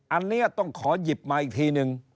อันนี้ต้องขอหยิบมาอีกทีนึง